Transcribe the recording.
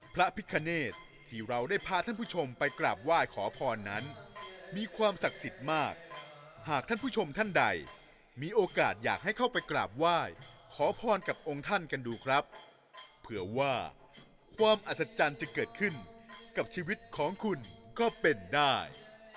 พระพิคเนตที่เราได้พาท่านผู้ชมไปกราบไหว้ขอพรนั้นมีความศักดิ์สิทธิ์มากหากท่านผู้ชมท่านใดมีโอกาสอยากให้เข้าไปกราบไหว้ขอพรกับองค์ท่านกันดูครับเผื่อว่าความอัศจรรย์จะเกิดขึ้นกับชีวิตของคุณก็เป็นได้